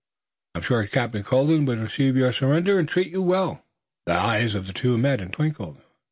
"I'm sure Captain Colden would receive your surrender and treat you well." The eyes of the two met and twinkled.